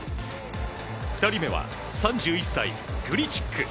２人目は３１歳、グリチック。